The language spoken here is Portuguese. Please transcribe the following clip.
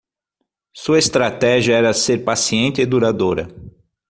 Sua estratégia era ser paciente e duradoura.